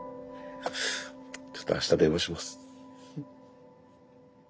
ちょっとあした電話します。